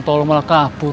tolong malah kabur